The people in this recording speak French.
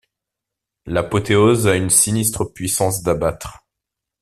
L’apothéose a une sinistre puissance d’abattre.